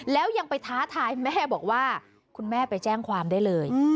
แล้วยังไปท้าทายแม่บอกว่าคุณแม่ไปแจ้งความได้เลย